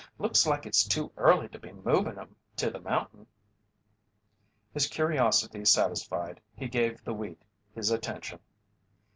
"Looks like it's too early to be movin' 'em to the mountain." His curiosity satisfied, he gave the wheat his attention.